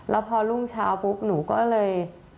แล้วพอรุ่งเช้าปุ๊บหนูก็เลย